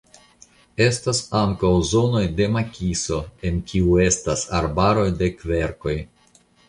Estas ankaŭ zonoj de makiso en kiu estas arbaroj de kverkoj.